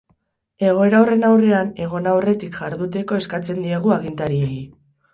Egoera horren aurrean egon aurretik jarduteko eskatzen diegu agintariei.